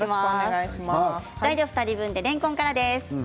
材料２人分でれんこんからです。